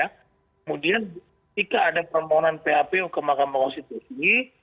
kemudian ketika ada permohonan papu ke makam konstitusi